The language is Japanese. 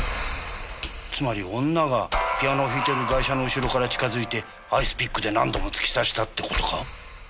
つまり女がピアノを弾いてるガイシャの後ろから近づいてアイスピックで何度も突き刺したって事か？